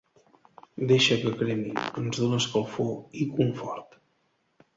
Deixa que cremi, ens dona escalfor i confort.